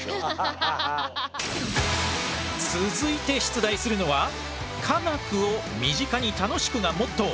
続いて出題するのは科学を身近に楽しくがモットー。